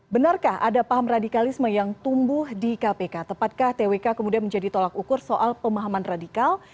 benarkah ada paham radikalisme yang tumbuh di kpk tepatkah twk kemudian menjadi tolak ukur soal pemahaman radikal